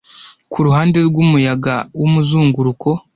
Kuruhande rwumuyaga wumuzunguruko.